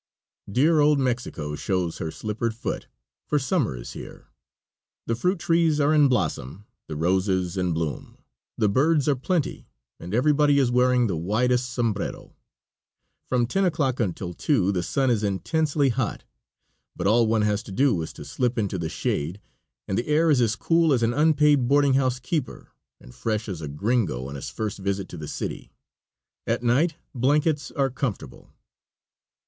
Dear old Mexico shows her slippered foot, for summer is here. The fruit trees are in blossom, the roses in bloom, the birds are plenty and everybody is wearing the widest sombrero. From 10 o'clock until 2 the sun is intensely hot, but all one has to do is to slip into the shade and the air is as cool as an unpaid boarding house keeper and fresh as a "greengo" on his first visit to the city. At night blankets are comfortable.